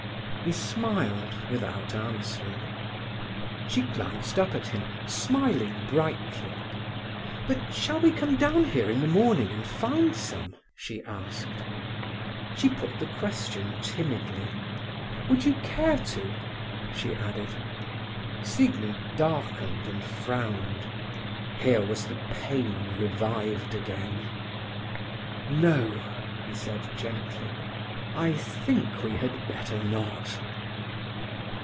He smiled, without answering. She glanced up at him, smiling brightly. "But shall we come down here in the morning, and find some?" she asked. She put the question timidly. "Would you care to?" she added. Siegmund darkened and frowned. Here was the pain revived again. "No," he said gently; "I think we had better not."